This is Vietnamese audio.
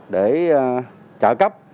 để trả cấp